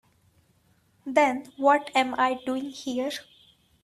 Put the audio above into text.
Then what am I doing here?